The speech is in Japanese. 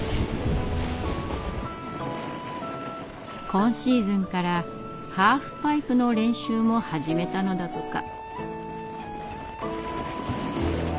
今シーズンからハーフパイプの練習も始めたのだとか。